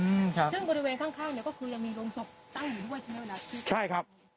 อืมครับซึ่งบริเวณข้างข้างเนี้ยก็คือยังมีโรงศพตั้งอยู่ด้วยใช่ไหมเวลาคิดใช่ครับ